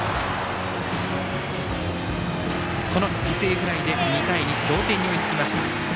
この犠牲フライで２対２同点に追いつきました。